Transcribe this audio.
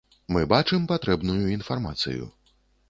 Мы бачым патрэбную інфармацыю.